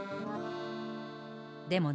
でもね